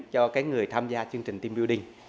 cho người tham gia chương trình team building